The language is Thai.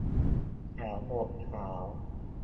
แถวโบสถ์ขาว